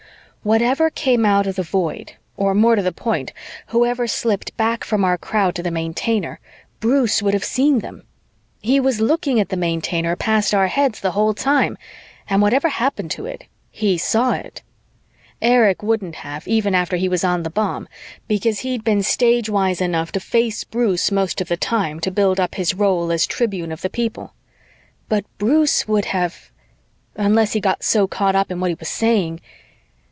Whatever came out of the Void, or, more to the point, whoever slipped back from our crowd to the Maintainer, Bruce would have seen them. He was looking at the Maintainer past our heads the whole time, and whatever happened to it, he saw it. Erich wouldn't have, even after he was on the bomb, because he'd been stagewise enough to face Bruce most of the time to build up his role as tribune of the people. But Bruce would have unless he got so caught up in what he was saying....